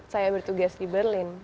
saya bertugas di berlin